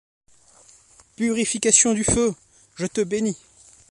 Purification du feu, je te bénis !